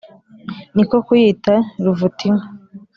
ni ko kuyita ruvutinka !